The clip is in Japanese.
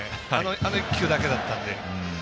あの１球だけだったので。